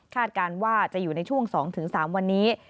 การว่าจะอยู่ในช่วง๒๓วันนี้